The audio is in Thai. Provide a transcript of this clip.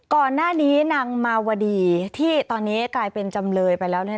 ก่อนหน้านี้นางมาวดีที่ตอนนี้กลายเป็นจำเลยไปแล้ว